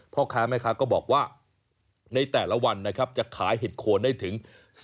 พ่อค้าแม่ค้าก็บอกว่าในแต่ละวันนะครับจะขายเห็ดโคนได้ถึง